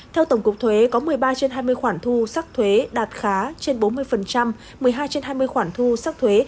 theo tổng cục thuế có một mươi ba trên hai mươi khoản thu sắc thuế đạt khá trên bốn mươi một mươi hai trên hai mươi khoản thu sắc thuế